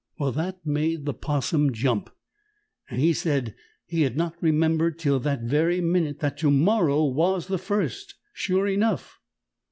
That made the 'Possum jump, and he said he had not remembered till that very minute that to morrow was the first, sure enough.